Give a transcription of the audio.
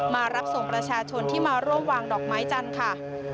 มารับส่งประชาชนที่มาร่วมวางดอกไม้จันทร์ค่ะ